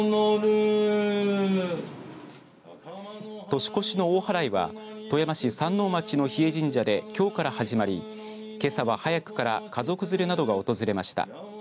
年越の大祓は富山市山王町の日枝神社できょうから始まりけさは早くから家族連れなどが訪れました。